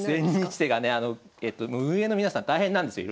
千日手がね運営の皆さん大変なんですよ